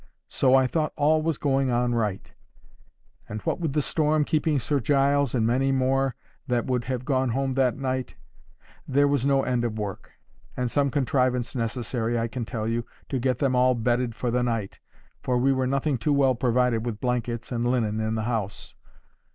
So I thought all was going on right. And what with the storm keeping Sir Giles and so many more that would have gone home that night, there was no end of work, and some contrivance necessary, I can tell you, to get them all bedded for the night, for we were nothing too well provided with blankets and linen in the house.